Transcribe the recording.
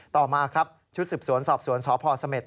ต่อมาครับชุดศึกษวนสอบสวนสพส